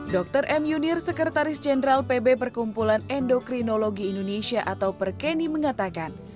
dr m yunir sekretaris jenderal pb perkumpulan endokrinologi indonesia atau perkeni mengatakan